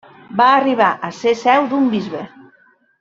Va arribar a ser seu d'un bisbe.